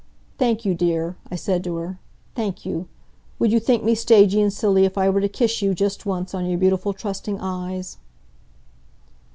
"Thank you, dear," I said to her. "Thank you. Would you think me stagey and silly if I were to kiss you, just once, on your beautiful trusting eyes?"